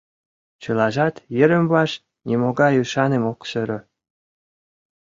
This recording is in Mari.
Чылажат йырым-ваш нимогай ӱшаным ок сӧрӧ.